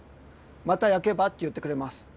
「また焼けば」って言ってくれます。